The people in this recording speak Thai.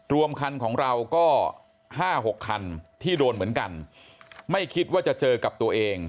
รวมคันของเราก็ห้าหกคันที่โดนเหมือนกันไม่คิดว่าจะเจอกับตัวเอง